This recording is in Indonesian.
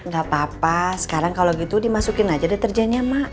gapapa sekarang kalo gitu dimasukin aja deterjennya mak